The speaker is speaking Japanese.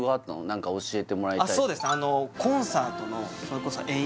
何か教えてもらいたいそうですね